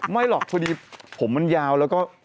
ไม่หรอกพอดีผมมันยาวแล้วก็